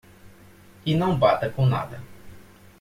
E não bata com nada.